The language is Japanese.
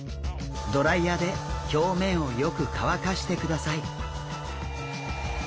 ドライヤーで表面をよく乾かしてください。